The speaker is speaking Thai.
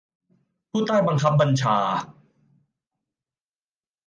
ผู้ใต้บังคับบัญชา